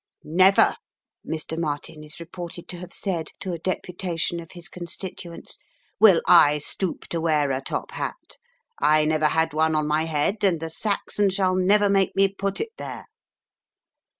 "Never," Mr. Martin is reported to have said to a Deputation of his constituents, "will I stoop to wear a top hat. I never had one on my head, and the Saxon shall never make me put it there."